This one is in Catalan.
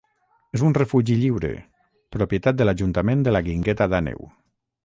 És un refugi lliure, propietat de l'Ajuntament de la Guingueta d'Àneu.